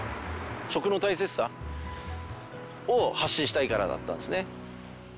食の大切さを発信したいからだったんですね。